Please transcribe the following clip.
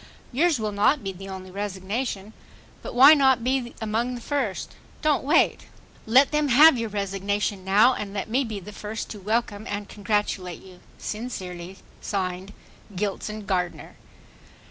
Yours will not be the only resignation. But why not be among the first? Don't wait. Let them have your resignation. now and let me be the first to welcome and congratulate you. Sincerely, (Signed) GILSON GARDNER.